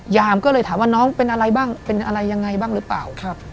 ยามก็เลยถามว่าน้องเป็นอะไรบ้างเป็นอะไรยังไงบ้างหรือเปล่า